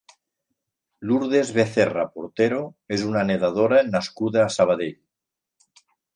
Lourdes Becerra Portero és una nedadora nascuda a Sabadell.